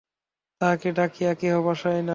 তাহাকে ডাকিয়া কেহ বাসায় না।